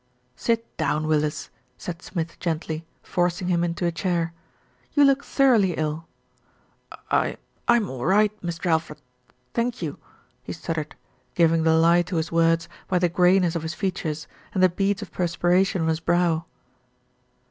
"Sit down, Willis," said Smith gently, forcing him into a chair. "You look thoroughly ill." "I'm I'm all right, Mr. Alfred, thank you," he stut tered, giving the lie to his words by the greyness of his features, and the beads of perspiration on his brow.